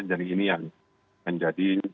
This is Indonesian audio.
jadi ini yang menjadi